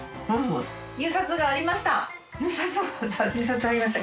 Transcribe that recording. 入札がありました。